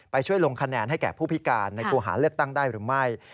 ช่วยลงคะแนนให้แก่ผู้พิการในครูหาเลือกตั้งได้หรือไม่